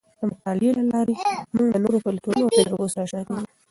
د مطالعې له لارې موږ د نورو کلتورونو او تجربو سره اشنا کېږو.